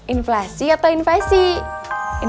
inflasi atau invasi